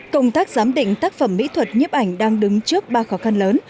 công tác giám định tác phẩm mỹ thuật nhiếp ảnh đang đứng trước ba khó khăn lớn